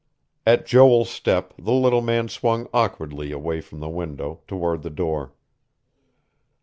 At Joel's step, the little man swung awkwardly away from the window, toward the door.